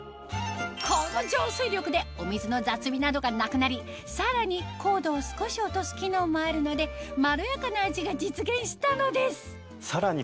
この浄水力でお水の雑味などがなくなりさらに硬度を少し落とす機能もあるのでまろやかな味が実現したのですさらに